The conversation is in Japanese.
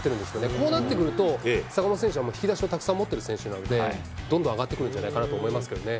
こうなってくると、坂本選手は引き出しはたくさん持ってる選手なので、どんどん上がってくるんじゃないかと思いますけどね。